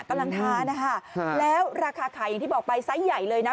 กำลังทานนะคะแล้วราคาขายอย่างที่บอกไปไซส์ใหญ่เลยนะ